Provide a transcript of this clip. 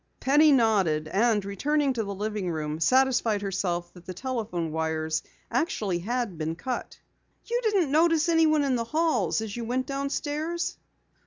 Penny nodded and, returning to the living room, satisfied herself that the telephone wires actually had been cut. "You didn't notice anyone in the halls as you went downstairs."